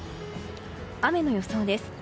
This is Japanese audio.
雨の予想です。